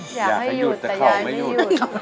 อยากให้หยุดแต่ยายไม่หยุด